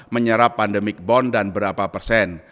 menyerap pandemic bond dan berapa persen